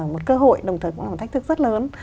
một cơ hội đồng thời cũng là một thách thức rất lớn